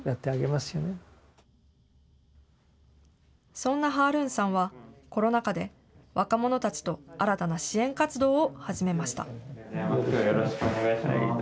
そんなハールーンさんは、コロナ禍で、若者たちと新たな支援活動を始めました。